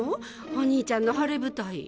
お兄ちゃんの晴れ舞台。